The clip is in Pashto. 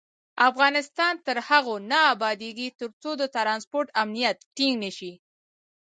افغانستان تر هغو نه ابادیږي، ترڅو د ترانسپورت امنیت ټینګ نشي.